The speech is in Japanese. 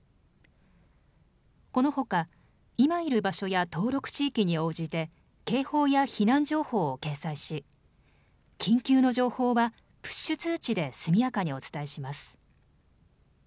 このほか今いる場所や登録地域に応じて警報や避難情報を掲載し緊急の情報はプッシュ通知で速やかにお伝えします。